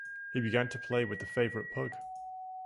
He began to play with the favourite pug